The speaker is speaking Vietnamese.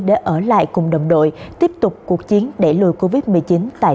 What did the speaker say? để ở lại cùng đồng đội tiếp tục cuộc chiến để lùi covid một mươi chín tại tuyến đầu